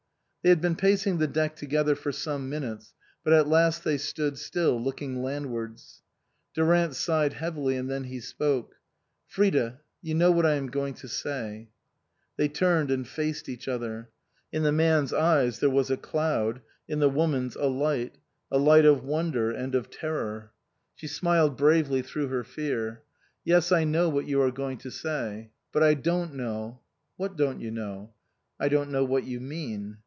They had been pacing the deck together for some minutes, but at last they stood still, look ing landwards. Durant sighed heavily and then he spoke. " Frida, you know what I am going to say " They turned and faced each other. In the man's eyes there was a cloud, in the woman's a light, a light of wonder and of terror. 171 THE COSMOPOLITAN She smiled bravely through her fear. " Yes, I know what you are going to say. But I don't know "" What don't you know ?" "I don't know what you mean."